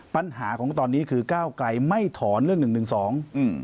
ปัญหาของตอนนี้คือก้าวไกรไม่ถอนเรื่อง๑๑๒